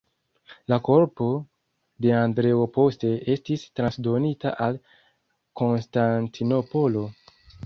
La korpo de Andreo poste estis transdonita al Konstantinopolo.